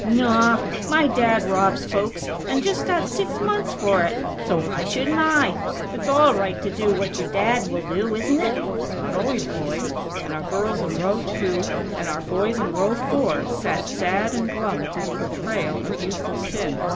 "Naw! My Dad robs folks, and just got six months for it. So why shouldn't I? It's all right to do what your Dad will do, isn't it?" "Not always, boy," and our girls in row two and our boys in row four sat sad and glum at this portrayal of youthful sin.